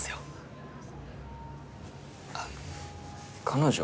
あっ彼女